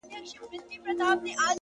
دغه د اور ځنځير ناځوانه ځنځير،